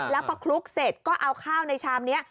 แล้วพอคลุกเสร็จก็เอาข้าวในชามนี้